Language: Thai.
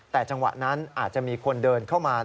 แต่จังหวะนั้นอาจจะมีคนเดินเข้ามา